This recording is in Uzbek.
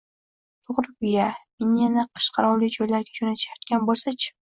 — To‘g‘riku-ya, meni yana qish-qirovli joylarga jo‘natishayotgan bo‘lsa-chi!